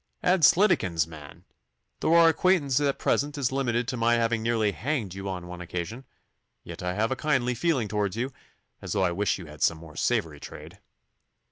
Adslidikins, man! though our acquaintance at present is limited to my having nearly hanged you on one occasion, yet I have a kindly feeling towards you, though I wish you had some more savoury trade.